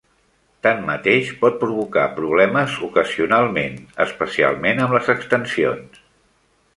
Tanmateix, pot provocar problemes ocasionalment, especialment amb les extensions.